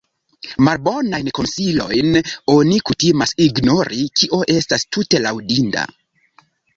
Malbonajn konsilojn oni kutimas ignori, kio estas tute laŭdinda.